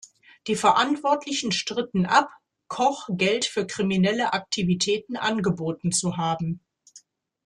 Die Verantwortlichen stritten ab, Koch Geld für kriminelle Aktivitäten angeboten zu haben.